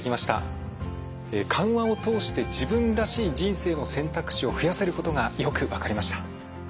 緩和を通して自分らしい人生の選択肢を増やせることがよく分かりました。